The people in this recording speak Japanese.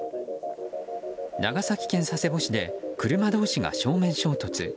長崎県佐世保市で車同士が正面衝突。